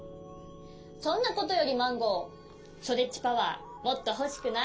そんなことよりマンゴーストレッチパワーもっとほしくない？